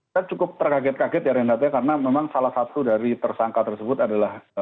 saya cukup terkaget kaget ya renat ya karena memang salah satu dari tersangka tersebut adalah